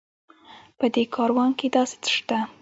په دې کاروان کې داسې څه شته.